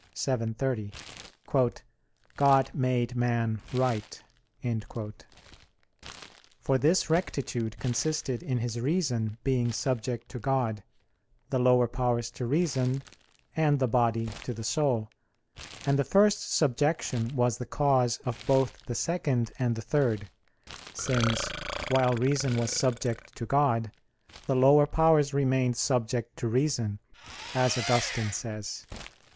7:30, "God made man right." For this rectitude consisted in his reason being subject to God, the lower powers to reason, and the body to the soul: and the first subjection was the cause of both the second and the third; since while reason was subject to God, the lower powers remained subject to reason, as Augustine says [*Cf. De Civ. Dei xiii, 13; De Pecc. Merit. et Remiss.